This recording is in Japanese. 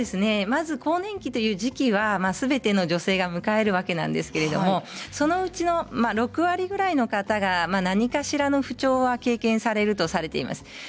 更年期という時期はすべての女性が迎えるわけなんですけれどそのうちの６割くらいの方が何かしらの不調を経験されるとされています。